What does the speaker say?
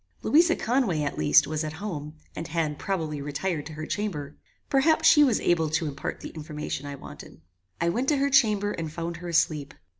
Louisa Conway, at least, was at home and had, probably, retired to her chamber; perhaps she was able to impart the information I wanted. I went to her chamber, and found her asleep.